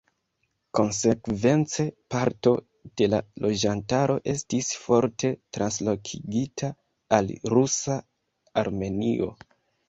Konsekvence parto de la loĝantaro estis forte translokigita al rusa Armenio.